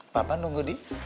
papa nunggu di